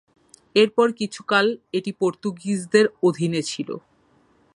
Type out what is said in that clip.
এরপর কিছুকাল এটি পর্তুগিজদের অধীনে ছিল।